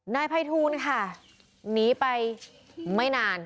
นายภัยทูลค่ะหนีไปไม่นาน